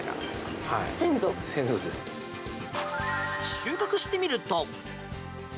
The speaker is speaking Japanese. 収穫してみると。